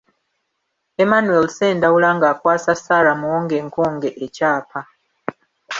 Emmanuel Ssendaula ng’akwasa Sarah Muwonge Nkonge ekyapa.